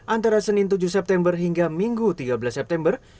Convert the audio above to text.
antara senin tujuh september hingga minggu tiga belas september